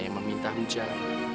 yang meminta hujan